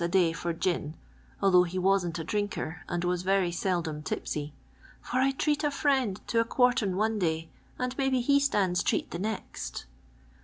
a day for gin (although he wasn't a drinker and was very seldom tipsy), " for I treat a friend to a quartern one day and may be he stands treat the next."